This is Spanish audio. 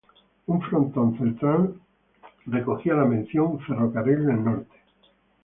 Un frontón central recogía la mención "Ferrocarril del Norte".